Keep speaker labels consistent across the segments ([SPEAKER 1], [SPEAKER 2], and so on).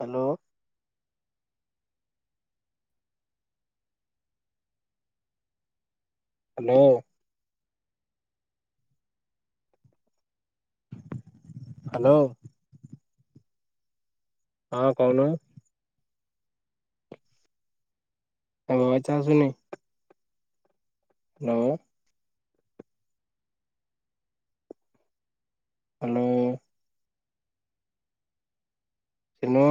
[SPEAKER 1] Hello. Hello. Hello. ହଁ କହୁନ। [unintelligible] ଆସୁନି। ଆଉ ହେଲୋ। ହେଲୋ।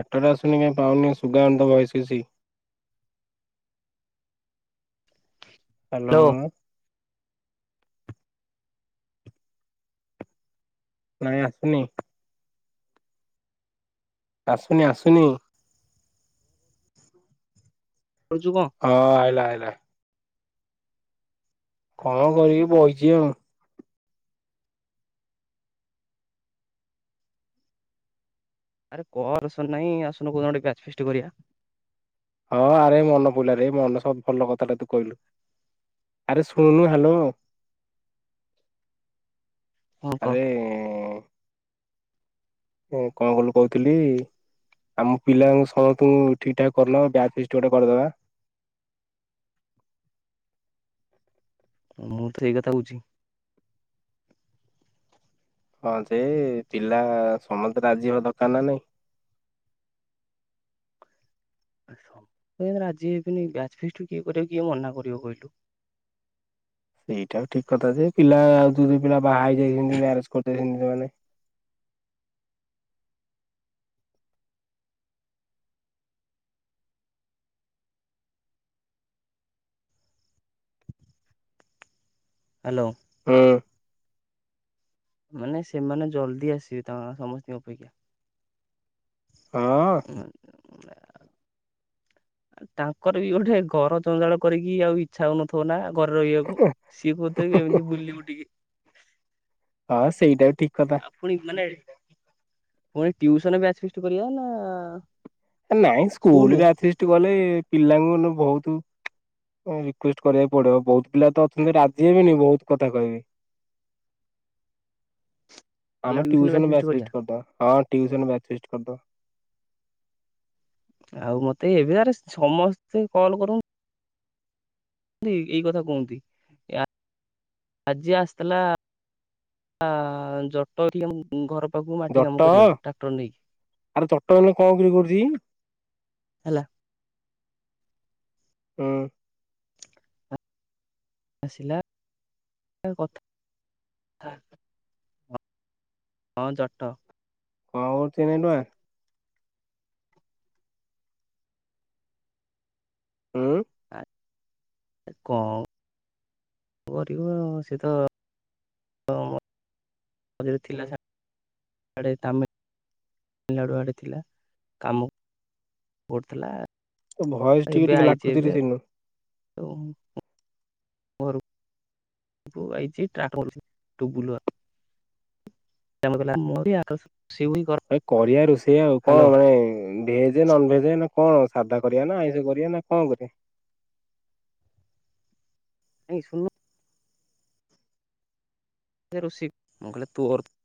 [SPEAKER 1] ନେଟୱାର୍କ ଆସୁନି କାଇ ପାଉନି ସୁବା ଯାଉନି ତ ଭଏସ କଛି। ହେଲୋ।
[SPEAKER 2] ହ୍ୟାଲୋ
[SPEAKER 1] ନାଇଁ ଆସୁନି। ଆସୁନି ଆସୁନି।
[SPEAKER 2] କରୁଛୁ କଣ?
[SPEAKER 1] ହଁ ଆଇଲା ଆଇଲା। କଣ କରିବି ବଇଛି ଆଉ।
[SPEAKER 2] ଆରେ କରସନ ନାହିଁ ଆସନୁ କଉ ଦିନ ଗୋଟେ ବ୍ୟାଚ ଫିଷ୍ଟ କରିବା।
[SPEAKER 1] ହଁ ଆରେ ମନ ପଇଲାରେ ମନ ସବୁ ଭଲ କଥାଟା ତୁ କହିଲୁ। ଆରେ ଶୁଣୁନୁ ହ୍ୟାଲୋ।
[SPEAKER 2] କଣ କହ
[SPEAKER 1] ଆରେ। ଏ କଣ କିଲୁ କହୁଥିଲି। ଆମ ପିଲାଙ୍କ ସମସ୍ତଙ୍କୁ ଠିକ ଠାକ କରିନବା ବୟ ଫିସ୍ ଗୋଟେ କରିଦବା।
[SPEAKER 2] ମୁଁ ତ ସେଇ କଥା କହୁଛି।
[SPEAKER 1] ହଁ ଯେ ପିଲା ସମସ୍ତେ ରାଜି ହବା ଦରକାର ନା ନାଇଁ।
[SPEAKER 2] ଆଜି ହେଇ ବାଚ୍ୟ ଫିଷ୍ଟ କିଏ କରିବ କିଏ ମନା କରିବ କହିଲୁ।
[SPEAKER 1] ସେଇଟା ଠିକ କଥା ଯେ ପିଲା ଆଉ ଦୁଇ ଦିଇ ପିଲା ବାହା ହେଇଯାଇଛନ୍ତି ମ୍ୟାରେଜ କରିଦେଇଛନ୍ତି ସେମାନେ।
[SPEAKER 2] ହ୍ୟାଲୋ।
[SPEAKER 1] ହୁଁ।
[SPEAKER 2] ମାନେ ସେମାନେ ଜଲଦି ଆସିବେ ତ ସମସ୍ତଙ୍କ ଅପେକ୍ଷା।
[SPEAKER 1] ହଁ।
[SPEAKER 2] ଉଁ ଆଃ ତାଙ୍କର ବି ଗୋଟେ କର ଜଜାଳ କରିକି ଆଉ। ଚଛ ହଉନଥିବ ନା ଘରେର ରଇବାକୁ ସିଏ କଉଥିବେ ଏମିତି ବୁଲିବୁ ଟିକେ।
[SPEAKER 1] ହଁ ସେଇଟା ଠିକ୍ କଥା।
[SPEAKER 2] ଆଉ ପୁଣି ମାନେ ପୁଣି ଟିୟୁସନ ବାଚ୍ ଫିଷ୍ଟ୍ କରିବା ନା।
[SPEAKER 1] ନାଇଁ ସ୍କୁଲ ବ୍ୟାଚ ଫିଷ୍ଟ କଲେ ପିଲାଙ୍କୁ ବହୁତ। ହ ରିକେଷ୍ଟ କରିବାକୁ ପଡିବ ବହୁତ ପିଲା ତ ଅଛନ୍ତି ରାଜି ହେବେନି ବହୁତ କଥା କହିବି।
[SPEAKER 2] [inaudible]
[SPEAKER 1] ଆମେ ଟିଉସନ ବାଚ୍ୟ ଫିଷ୍ଟ କରିଦବା ହଁ ଟିଉସନ ବାଚ୍ୟ ଫିଷ୍ଟ କରିଦବା।
[SPEAKER 2] ଆଉ ମତେ ଏବେ ଆରେ ସମସ୍ତେ କଲ୍ କରୁ ଛନ୍ତି ଏଇ କଥା କୁହନ୍ତି ଆଜି ଆସିଥିଲା। ଜଟ ଏଠି ଆମ ଘର ପାଖକୁ ମାଟି
[SPEAKER 1] ଜଟ
[SPEAKER 2] କାମ କରିବାକୁ ଟ୍ରାକ୍ଟର ନେଇକି।
[SPEAKER 1] ଆରେ [unintelligible] କରୁଛି କି।
[SPEAKER 2] ହେଲା।
[SPEAKER 1] ହୁଁ।
[SPEAKER 2] ଆସିଲା କଥା ହେଲା। ହଁ ଜଟ।
[SPEAKER 1] [unintelligible] ହୁଁ।
[SPEAKER 2] କନ। କରିବ ଆଉ ସେ ତ ହଁ ମଝିରେ ଥିଲା ଶା ଡ଼େ ତାମ ମିଲନାଡୁ ଆଡେ ଥିଲା କାମ କରୁଥିଲା।
[SPEAKER 1] ଭଏସ ଟିକେ
[SPEAKER 2] ଏବେ
[SPEAKER 1] ଟିକେ
[SPEAKER 2] ଆଇଛି
[SPEAKER 1] ଲାଗୁଛିି
[SPEAKER 2] ଏବେ
[SPEAKER 1] ରେ ସିନୁ।
[SPEAKER 2] [unintelligible] [unintelligible] [unintelligible]
[SPEAKER 1] ଏ କରିବା ରୋଷେଇ ଆଉ କଣ
[SPEAKER 2] ହ୍ୟାଲୋ
[SPEAKER 1] ମାନେ। ଭେଜ ନନ ଭେଜ ନା କଣ ସାଧା କରିବା ନା ଆଇଁଷ କରିବା ନା କଣ କରିବା?
[SPEAKER 2] ନାଇଁ ଶୁ [unintelligible]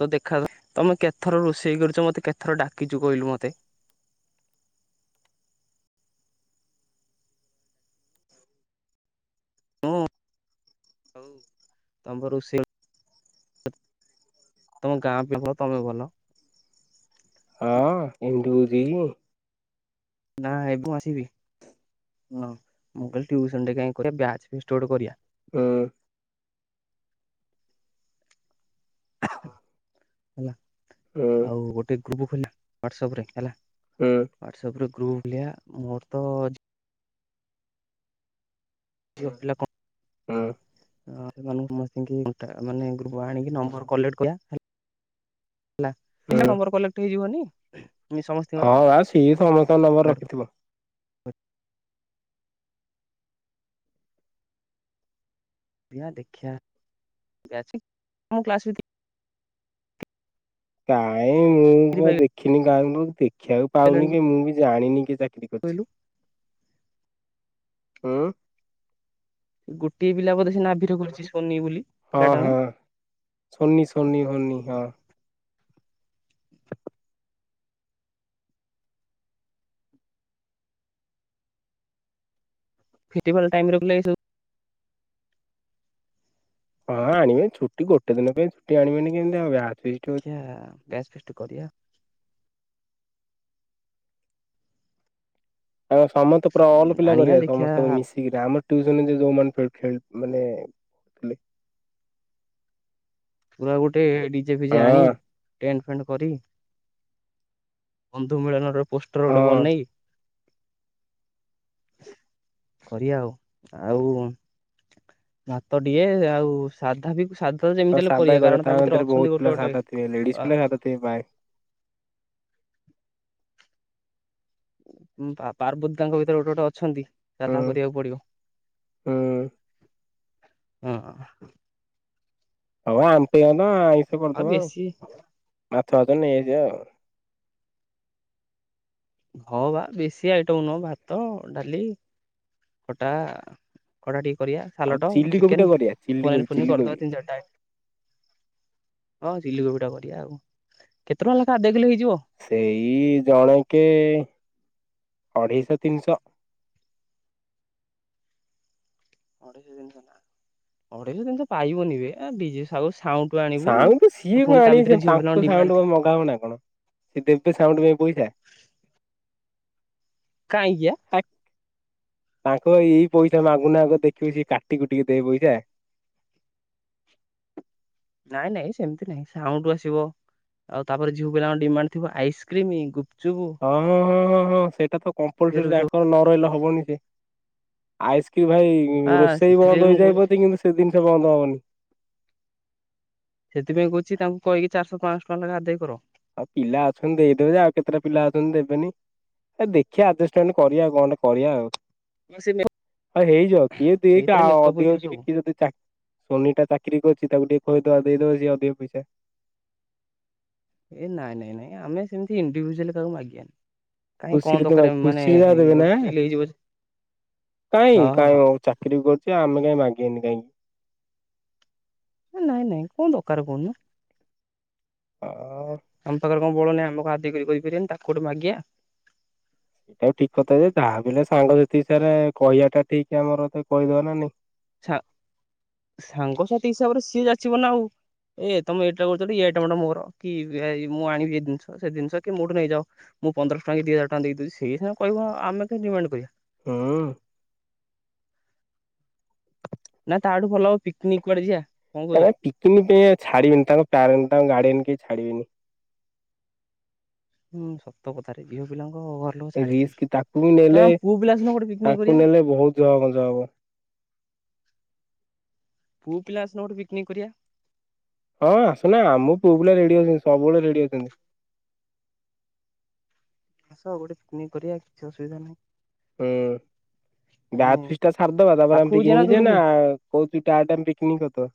[SPEAKER 2] ତ ଦେଖା ତମେ କେତେଥର ରୋଷେଇ କରିଛ ମତେ କେଟେଥର ଡାକିଛୁ କହିଲୁ ମୋତେ। ମୁଁ ତମେ ପା ରୋଷେଇ ତମ ଗାଁ [unintelligible]
[SPEAKER 1] ହଁ [unintelligible]
[SPEAKER 2] ନା ଏବେ ଆସିବି ହ ମୁଁ କହିଲି ଟିଉସନ୍ ରେ କାହିଁକି କରିବା ବ୍ୟାଚ୍ ଫିଷ୍ଟ ଗୋଟେ କରିବା।
[SPEAKER 1] ହୁଁ।
[SPEAKER 2] ହେଲା
[SPEAKER 1] ହୁଁ
[SPEAKER 2] ଆଉ ଗୋଟେ ଗ୍ରୁପ ଖୋଲିଦବା ୱାଟସ୍ ଆପ ରେ ହେଲା।
[SPEAKER 1] ହୁଁ।
[SPEAKER 2] ହାଟସପ ରେ ଗ୍ରୁପଖୋଲିଆ ମୋର ତ ଝିଅ ପିଲା କଣ?
[SPEAKER 1] ହଁ।
[SPEAKER 2] ହଁ ସେମାନ [unintelligible] ହେଲା
[SPEAKER 1] ହୁଁ
[SPEAKER 2] ଏଇନା ନମ୍ବର କଲେକ୍ଟ ହେଇଯିବନି? ସମସ୍ତିଙ୍କର
[SPEAKER 1] ହଁ ମା ସିଏ ସମସ୍ତଙ୍କ ନମ୍ବର ରଖିଥିବ।
[SPEAKER 2] ହଁ ଦେଖିବା ଵ୍ୟାଚ ଆମ କ୍ଲାସରୁ
[SPEAKER 1] କାଇଁ ମୁଁ ତ
[SPEAKER 2] ଭିତରେ
[SPEAKER 1] ଦେଖିନି କାଁହାକୁ ଦେଖିବାକୁ ପାଉନି କି ମୁଁ ବି ଜାଣିନି କି ତା
[SPEAKER 2] କହିଲୁ
[SPEAKER 1] ହୁଁ।
[SPEAKER 2] ଗୋଟିଏ ପିଲା ବୋଧେ ସେ ନାଭିିର କରିଛି ସୋନି ବୋଲି।
[SPEAKER 1] ହଁ
[SPEAKER 2] ପିଲାଟା ନା
[SPEAKER 1] ହଁ ସୋନି ସୋନି ହୋନି ହଁ।
[SPEAKER 2] [unintelligible]
[SPEAKER 1] ହଁ ଆଣିବେ ଛୁଟି ଗୋଟେ ଦିନ ପାଇଁ ଛୁଟି ଆଣିବେନି କେମିତି ହବ ବ୍ୟାଚ୍ ଫିଷ୍ଟ ହଉ
[SPEAKER 2] ହଁ ବ୍ୟାଚ୍ ଫିଷ୍ଟ କରିବା।
[SPEAKER 1] ଆ ସମସ୍ତେ ପୁରା ଅଲ ପିଲା
[SPEAKER 2] ଆଣିବା
[SPEAKER 1] କରିବା
[SPEAKER 2] ଦେଖିଆ
[SPEAKER 1] ସମସ୍ତେ ମିଶିକିରି ଆମ ଟିଉସନ୍ ଯୋଉ ଯୋଉମାନେ ମାନେ ଥିଲେ
[SPEAKER 2] ପୁରା ଗୋଟେ ଡିଜେ ଫିଜେ ଆଣି
[SPEAKER 1] ହଁ
[SPEAKER 2] ଟେଣ୍ଟ ଫେଣ୍ଟ କରି। ବନ୍ଧୁ ମିଳନର ପୋଷ୍ଟର ଗୋଡେ
[SPEAKER 1] ହଁ
[SPEAKER 2] ବନେଇ କରିବା ଆଉ ଆଉ ଭାତ ଟଏ ଆଉ ସାଧା ବି ସାଧା
[SPEAKER 1] ହଁ
[SPEAKER 2] ଯେମିତି ହେଲେ
[SPEAKER 1] ସାଦା
[SPEAKER 2] କରିବା
[SPEAKER 1] କ
[SPEAKER 2] କାରଣ
[SPEAKER 1] ତା
[SPEAKER 2] ଭିତରେ
[SPEAKER 1] ମଧ୍ୟରେ
[SPEAKER 2] ଅଛନ୍ତି
[SPEAKER 1] ବହୁତ
[SPEAKER 2] ଗୋଟେ
[SPEAKER 1] ପିଲା
[SPEAKER 2] ଗୋଟେ
[SPEAKER 1] ସାଧା ଥିବ ଲେଡିଜ ପିଲା ସାଧାଥିବଏ ପାଏ।
[SPEAKER 2] ପାର୍ବତାଙ୍କ ଭିତରେ ଗୋଟେ ଗୋଟେ ଅଛନ୍ତି
[SPEAKER 1] ହୁଁ
[SPEAKER 2] ଯଧା କରିବାକୁ ପଡିବ।
[SPEAKER 1] ହୁଁ
[SPEAKER 2] ହଁ।
[SPEAKER 1] ହଉ ଆମ ତ ଆଇଷ କରିଦବ ଆଉ ମାଛ ବାଜ ନେଇଯଯିବା ଆଉ
[SPEAKER 2] ହଁ ବା ବେଶୀ ଆଇଟମ ନୁହଁ ଭାତ ଡାଲି ଖଟା। କଟା ଟିକେ କରିବା
[SPEAKER 1] ଆଉ
[SPEAKER 2] ସାଲଡ଼
[SPEAKER 1] ଚିଲି କୋବି ଟା
[SPEAKER 2] ଚିକେନ
[SPEAKER 1] କରିବା ଚିଲି କୋବି
[SPEAKER 2] ପନିର ପନିର
[SPEAKER 1] ଚିଲି କୋବି
[SPEAKER 2] କରିଦବା ତିନି ଚାରିଟା। ହଁ ଚିଲ କୋବି ଟା କରିବା ଆଉ କେତେ ଟଙ୍କା ଲେଖା ଆଧେ କିଲୋ ହେଇଯିବ?
[SPEAKER 1] ସେଇ ଜଣେକ ଅଢେଇଶହ ତିନିଶହ।
[SPEAKER 2] ଅଢେଇଶ ଜିନିଷ ଅଢେଇଶ ଜିନିଷ ପାଇବନି ଏଣ୍ଡ
[SPEAKER 1] ସାଉଣ୍ଡ ତ ସିଏ କଣ ଆଣିବେ ତାଙ୍କୁ
[SPEAKER 2] ଡିମାଣ୍ଡ
[SPEAKER 1] ସାଉଣ୍ଡ
[SPEAKER 2] ଥିବ
[SPEAKER 1] ମଗା ହବ ନା କଣ ସିଏ ଦେବେ ସାଉଣ୍ଡ ପାଇଁ ପଇସା?
[SPEAKER 2] କାହିଁକିଆ?
[SPEAKER 1] ତାଙ୍କୁ ଏଇ ପଇସା ମାଗୁନା ଆଗ ଦେଖିବୁ ସେ କାଟିକୁ ଟିକେ ଦେ ପଇସା
[SPEAKER 2] ନାଇଁ ନାଇଁ ସେମିତି ନାଇଁ ସାଉଠୁ ଆସିବ ଆଉ ତାପରେ ଯିଉ ପିଲାଙ୍କ ଡିମାଣ୍ଡ ଥିବ ଆଇସ୍କ୍ରିମ ଗୁପଚୁପ
[SPEAKER 1] ହଁ ହଁ ହଁ ହଁ ହଁ ସେଇଟା ତ କମ୍ପଲସରୀ
[SPEAKER 2] ବି ସବୁ
[SPEAKER 1] ତାଙ୍କର ନ ରହିଲା ହବନି ସେ ଆଇସ୍କ୍ରିମ ଭାଇ
[SPEAKER 2] ଆ
[SPEAKER 1] ରୋଷେଇ
[SPEAKER 2] ସେଥିପାଇଁ
[SPEAKER 1] ବନ୍ଦ
[SPEAKER 2] ମୁଁ କହୁଛି
[SPEAKER 1] ହେଇଯାଇ କିନ୍ତୁ ସେ ଜିନିଷ ବନ୍ଦ ହବନି।
[SPEAKER 2] ସେଥିପାଇଁ କଛି ତାଙ୍କୁ କହିକି ଚାରିଶହ ପାଞ୍ଚଶହ ଟା ଲେଖା ଆଦ ଦେଇ କର।
[SPEAKER 1] ଆଉ ପିଲା ଅଛନ୍ତି ଦେଇଦେବେ ଯେ ଆଉ କେତେଟା ପିଲା ଅଛନ୍ତି ଦେବେନି। ଏ ଦେଖିବାଆ ଆଡଜଷ୍ଟମେଣ୍ଟ କରିବାଉ କଣେ କରିବା ଆଉ।
[SPEAKER 2] ସେ
[SPEAKER 1] ହଉ ହେଇଯ କିଏ ଦେଇ
[SPEAKER 2] ସେଇଥିରେ
[SPEAKER 1] ଆଉ
[SPEAKER 2] ମେକଅପ୍ ହେଇଯିବ
[SPEAKER 1] ଅଧିକ କି
[SPEAKER 2] ସବୁ
[SPEAKER 1] କିଏ ଯଦି ଚାକି ସୋନି ଟା ଚାକିରି କରିଛି ତାକୁ ଟିକେ କହିଦବା ଦେଇଦବଉଛି ଅଧିକ ପଇସା।
[SPEAKER 2] ଏ ନାଇଁ ନାଇଁ ନାଇଁ ଆମେ ସେମତି ଇଣ୍ଡିଭିଜୁଆଲ କାହାକୁ ମାଗିବା ଆନଣି
[SPEAKER 1] କୁ ତମ କୁସି ଯା
[SPEAKER 2] ଇଏ
[SPEAKER 1] ଦେବେ ନା
[SPEAKER 2] ଗୋଟେ ଫିଲ୍ ହେଇଯିବ ଯେ
[SPEAKER 1] କାଇଁ
[SPEAKER 2] ହଁ ହଁ
[SPEAKER 1] କାଇଁ? ଚାକିରି କରୁ ଆମେ କାଇଁ ମାଗେନ କାଇଁ ମାଗିବୁନି କାହିଁକି?
[SPEAKER 2] ନାଇଁ ନାଇଁ କୋଉ ଦରକାର କହୁନ?
[SPEAKER 1] ହଁ।
[SPEAKER 2] ଆମ ପାଖରେ କଣଳ ନାହି ଆମକୁ ଆଦି କରିପାରିବନି ତାକୁ କୋଟୁ ମାଗିିବା?
[SPEAKER 1] ଏଇଟାଉ ଠିକ କଥା ଯେ ଯାହା ବଲେ ସାଙ୍ଗସଥି ସରେ କହିବାଟା ଠିକ ଆମର ତେ କହିଦବ ନା ନାଇଁ।
[SPEAKER 2] ସାଙ୍ଗସାଥି ହିସାବରେ ସିଏ ଯାଚିବ ନା ଆଉ ଏଇ ତମେ ଏଇଟା କରୁଛଥିଲ ଏଇ ଆଇଟମ ଟା ମୋର କି ମୁଁ ଆଣିବି ଏଇ ଜିନିଷ ସେ ଜିନିଷ କି ମୋଠୁ ନେଇଯାଅ। ମୁଁ ପନ୍ଦରଶହ ଟଙ୍କ ଦି ହାର ଟଙ୍କା ଦେଇଦବଛି ସେଇଙ୍ଗ କହିବ ଆମେ କେ ଡିମାଣ୍ଡ କରିବା।
[SPEAKER 1] ହୁଁ।
[SPEAKER 2] ନା ତାଠୁ ଭଲ ହବ ପିକନିକ କୁଆଡେ ଯିବା? କଣ
[SPEAKER 1] ଏ
[SPEAKER 2] କହୁଛ?
[SPEAKER 1] ପିକନିକ୍ ପାଇଁ ଛଡିବିନି ତାଙ୍କ୍ୟ ତାଙ୍କ ଗାଡିଆରେ କେହି ଛାଡିବିନି।
[SPEAKER 2] ହୁଁ ସତ କଥାରେ ଝିଅ ପିଲାଙ୍କ ଘର ଲୋକ
[SPEAKER 1] ଏ
[SPEAKER 2] ଛାଡିବେନି
[SPEAKER 1] ରିସ୍ ତାକୁ ବି
[SPEAKER 2] ନା
[SPEAKER 1] ନେଲେ
[SPEAKER 2] ପୁଅ ପିଲା ସିନା ଗୋଟେ ପିକନିକ୍
[SPEAKER 1] ତାଙ୍କୁ
[SPEAKER 2] କରିବା।
[SPEAKER 1] ନେଲେ ବହୁତ ଜବ ଜବ।
[SPEAKER 2] ପୁଅ ପିଲା ଆସେ ଗୋଠେ ପିକନିକ କରିବା?
[SPEAKER 1] ହଁ ଆସୁନା ଆମ ପୁଅ ପିଲା ରେଡି ଅଛନ୍ତି ସବୁବେଳେ ରେଡି ଅଛନ୍ତି।
[SPEAKER 2] ଆସ ଗୋଟେ ପିକନିକ୍ କରିବା କି ଅସୁବିଧା ନାହିଁ।
[SPEAKER 1] ହୁଁ
[SPEAKER 2] ଆମେ
[SPEAKER 1] ବାହା ଫିସ୍ ଟା ସଛାରଦବା ତାପରେ ଆମେ
[SPEAKER 2] ପାଖକୁ ଯିବା
[SPEAKER 1] ପିକନିକ ଯ ନା।
[SPEAKER 2] ଦୂରକୁ?
[SPEAKER 1] କହୁଛୁ ଟା ଟା ପିକ୍ନିକ୍ ତ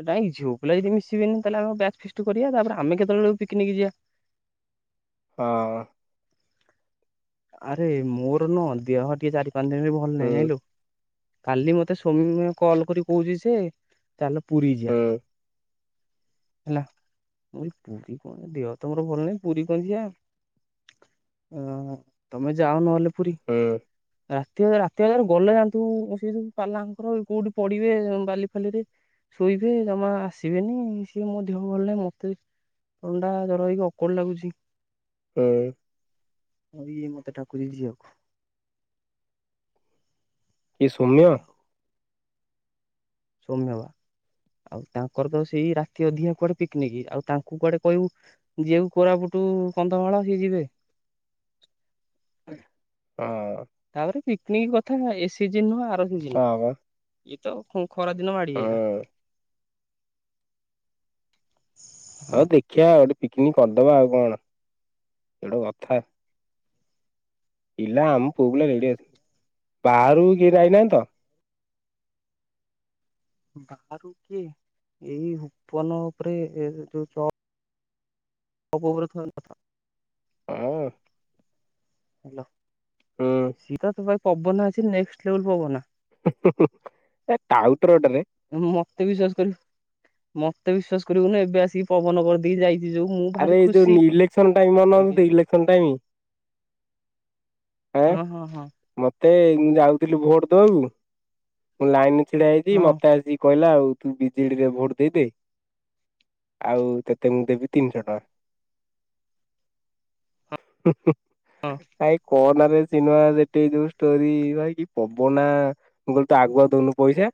[SPEAKER 2] ଏ ନାଇଁ ଝିଅ ପିଲ ଯଦି ମିଶିବେ ହେଲେ ଆେ୍ୟା ଫିଷ୍ଟ କରିବା ତାପରେ ଆମେ କେତେବେଳକୁ ପିକନିକ ଯିବା?
[SPEAKER 1] ହଁ।
[SPEAKER 2] ଆରେ ମୋର ନ ଦେହ ଟିକେ ଚାରି ପାଞ୍ଚ ଦିନ ବି ଭଲ ନାହିଁ
[SPEAKER 1] ହୁଁ
[SPEAKER 2] ଜାଇଁଲୁ। କାଲି ମତେ ସ୍ୱାମୀ କଲ କରି କହୁଛି ସେ ତାହେଲେ ପୁରୀ ଯିବା।
[SPEAKER 1] ହୁଁ
[SPEAKER 2] [inaudible] ହେଲା ମଁ ପୁରୀ କଣ ଦେହ ତମର ଭଲ ନାହିଁ ପୁରୀ କଣ ଯିଆ ଅ ତମେ ଯାଅ ନହେଲେ ପୁରୀ।
[SPEAKER 1] ହୁଁ।
[SPEAKER 2] ରାତି ରାତିରେ ଗଲେ ଯାଆନ୍ତୁ ସେ ଯୁ ପାଲାଙ୍କର କୋଉଠି ପଡିବେ ବାଲି ଫାଲି ଶୋଇବେ ଜମା ଆସିବେନି ସିଏ ମୋ ଦେହ ଭଲ ନାହିଁ ମତେ ଥଣ୍ଡା ଜର ହେଇକି ଅକଳ ଲାଗୁଚି।
[SPEAKER 1] ହୁଁ।
[SPEAKER 2] ହ ମତେ ଡାକୁଚି ଯିବାକୁ।
[SPEAKER 1] ଏ ସୌମ୍ୟ
[SPEAKER 2] ସୋମ୍ୟବା ଆଉ ତାଙ୍କର ତ ସେଇ ରାତି ଅଧିକା କୁଆଡେ ପିକ୍ ନିକ୍ ଆଉ ତାଙ୍କୁ କୁଆଡେ କହିବୁ ଯେଉ କୋରାପୁଟୁ କନ୍ଧମାଳ ଯିବେ।
[SPEAKER 1] ହଁ ହଁ।
[SPEAKER 2] ତାପରେ ପିକନିକ କଥା ଏ ସେ ଜି। [unintelligible]
[SPEAKER 1] [unintelligible]
[SPEAKER 2] ଏଇତ ଫୁଣି ଖରା ଦିନ ମାତି ଆଇଲା।
[SPEAKER 1] ହଁ ଦେଖିବା ଗୋଟେ ପିକନିକ କରିଦବା ଆଉ କଣ ଏଇଟା ଗୋଟେ କଥା। ପିଲା ଆମ ପୁଅ ବ ରେଡି ଆସିଥିଲି ବାହାରୁ କିଏ ଯାଇନାହିଁ ତ।
[SPEAKER 2] ବାହାରୁ କିଏ ଏଇ ଉପପନ ଉପରେ ଏ ଯୋଉ ଚ [unintelligible]
[SPEAKER 1] ହଁ। ହୁଁ
[SPEAKER 2] ସି ତ ଭାଇ ପବ ନା ଅଛି ନେଷ୍ଟ୍ ଲେବଲ ପବନା।
[SPEAKER 1] ଏ ଟାଉଟର ଟାରେ।
[SPEAKER 2] ମତେ ବିଶ୍ଵାସ କରିବୁ ମତେ ବିଶ୍ୱାସ କରିବୁନି ଏବେ ଆସିକି ପବନ କରିଦେଇି ଯାଇଛି ଯୋଉ ମୁଁ ଭାରି
[SPEAKER 1] ଆରେ ଏଇ
[SPEAKER 2] ଖୁସି
[SPEAKER 1] ଯୋଉ ଇଲେକ୍ସନ ଟାଇମ
[SPEAKER 2] ମତେ କି
[SPEAKER 1] [unintelligible] ଇଲେକ୍ସନ ଟାଇମ ଆଁ
[SPEAKER 2] ହଁ ହଁ।
[SPEAKER 1] ମତେ ଯାଉଥିଲି ଭୋଟ ଦବାକୁ ମୁଁ ଲାଇନ ଛିଡା ହେଇଚି ମତେ ଆସିକି କହିଲା ଆଉ। ତୁ ବିଜେଡିରେ ଭୋଟ ଦେଇଦେ ଆଉ ତତେ ମୁଁ ଦେବି ତିନିଶ ଟଙ୍କା ହୁଁ ହୁଁ।
[SPEAKER 2] ହଁ।
[SPEAKER 1] ଭାଇ କନା ରେ ସିନେମା ସେଠ ଯୋଉ ଷ୍ଟୋରି ଭାଇ କି ପବନା ମୁଁ କହିଲି ତୁ ଆଗୁଆ ଦୋଉନୁ ପଇସା।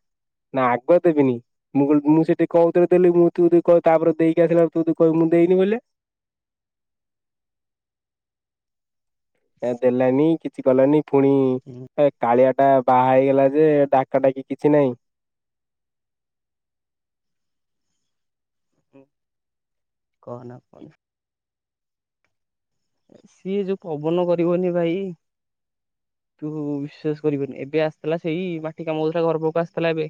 [SPEAKER 1] ନା ଆଗୁଆ ଦେବିନି ମୁଁ ମୁଁ ସେଠି କୋଉ ଥୀରେ ଦେଲି ମୁଁ ତୁ ତାପରେ ଦେଇକି ଆସିଲା ତୁ କହିବୁ ମୁଁ ଦେଇନି ବୋଲେ। ଏ ଦେଲାନି କିଛି କଲାନି ପୁଣି
[SPEAKER 2] ହଁ
[SPEAKER 1] କାଳିଆ ଟା ବାହା ହେଇଗଲା ଯେ ଡାକଟାକି କିଛି ନାହିଁ।
[SPEAKER 2] କହନା କହନା। ସିଏ ଯୋଉ ପବନ କରିବନି ଭାଇ। ତୁ ବିଶ୍ଵାସ କରିବୁନି ଏବେ ଆସିଥିଲା ସେଇ ମାଟି କାମା ହୋଉଥିଲା ଘର ପାଖକୁ ଆସିଥିଲା, ଏବେ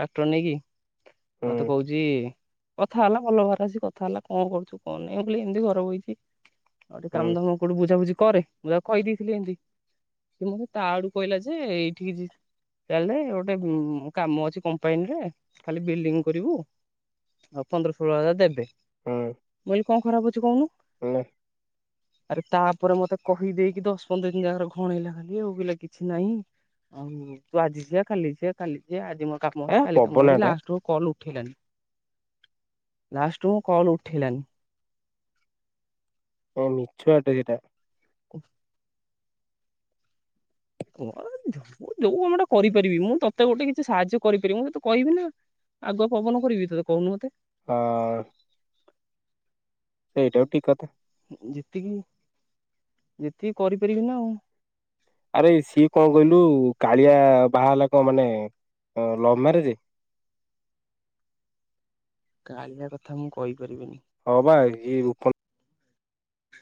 [SPEAKER 2] ଟାକ୍ଟର ନେଇକି, ତୁ
[SPEAKER 1] ହୁଁ
[SPEAKER 2] କୋହୂଚୁ ଯଏ କଥା ହେଲା ଭଲ ଭାବରେ ଆସି କଥା ହେଲା କଣ କରୁଚୁ କଣ ନାହିଁ ବୋଲି ଏମିତି ଘର ବହିଚି। ଆଉ ଟିକେ
[SPEAKER 1] ହୁଁ
[SPEAKER 2] କାମଧାମ କୋଉଠି ବୁଝାବୁଝି କରେ ବୁଝା କହିଦେଇଥିଲେ ଏମିତି। ସେ ମତେ ତା ଆଡୁ କହିଲା ଯେ ଏଇଠିକି ଚାହଲେ ଗୋଟେ କାମ ଅଛି କମ୍ପାନୀରେ ଖାଲି ବିଲ୍ଡିଂ କରିବୁ। ଆଉ ପନ୍ଦର ଷୋହଳ ହଜାର ଦେବେ।
[SPEAKER 1] ହଁ।
[SPEAKER 2] ମୁଁ କହିଲି କଣ ଖରାପ ଅଛି କହୁନୁ?
[SPEAKER 1] ନାଁ।
[SPEAKER 2] ଆରେ ତାପରେ ମତେ କହିଦେଇକି ଦଶ ପନ୍ଦର ଦିନ ଯାକାରେ ଘଣେଇଲା ଖାଲି ଆଉିଲା କିଛି ନାହିଁ। ଆଉ ତୁ ଆଜି ଯା କାଲି ଯିଆ କାଲି ଯା ଆଜି ମୋ କାମ
[SPEAKER 1] ଏ
[SPEAKER 2] ଅଛି କାଲି କାମ
[SPEAKER 1] ପବନା
[SPEAKER 2] ଅଛି
[SPEAKER 1] ଟା
[SPEAKER 2] ଲାଷ୍ଟକୁ କଲ ହେଲାଣି ଲାଷ୍ଟ କୁ କଲ ଉଠେଇଲାନି।
[SPEAKER 1] ହଁ ମିଛୁଆ ଟେ ଏଇଟା।
[SPEAKER 2] କ ମୋ ଯୋଉ କାମଟା କରିପାରିବି ମୁଁ ତତେ ଗୋଟେ କିଛି ସାହାଯ୍ୟ କରିପାରିବି ମୁଁ ତତେ କହିବି ନା। ଆଗ ପବନ କରିବି ତତେ କହୁନୁମତେ [unintelligible]
[SPEAKER 1] ହ [inaudible] ସେଇଟାଉ ଠିକ କଥା।
[SPEAKER 2] ଯେତିକି ଯେତିକି କରିପାରିବି ନା ଆଉ।
[SPEAKER 1] ଆରେ ସିଏ କଣ କହିଲୁ କାଳିଆ ବାହା ହେଲା କଣ ମାନେ ଲଭ ମ୍ୟାରେଜ?
[SPEAKER 2] କାଳିଆ କଥା ମୁଁ କହିପାରିବିନି।
[SPEAKER 1] ହଁ ବା ଇଏ ଉପ